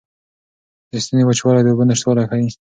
د ستوني وچوالی د اوبو نشتوالی ښيي.